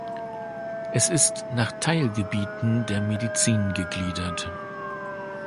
Es ist nach Teilgebieten der Medizin gegliedert.